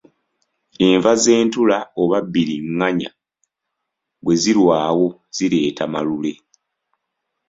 Enva z’entula oba bbiriŋŋanya bwe zirwawo zireeta Malule.